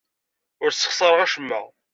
Ur ssexṣareɣ acemma.